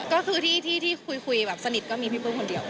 ก็คือที่คุยแบบสนิทก็มีพี่ปุ้มคนเดียว